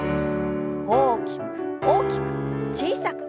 大きく大きく小さく。